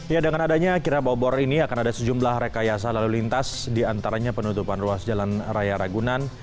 ya dengan adanya kirab obor ini akan ada sejumlah rekayasa lalu lintas diantaranya penutupan ruas jalan raya ragunan